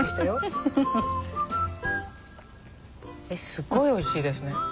えっすっごいおいしいですね。